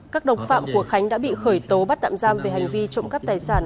các đồng phạm của khánh đã bị khởi tố bắt tạm giam về hành vi trộm cắp tài sản